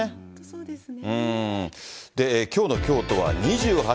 そうですね。